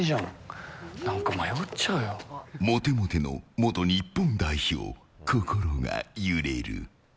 モテモテの元日本代表心が揺れる。